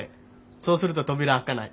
そうすると扉開かない。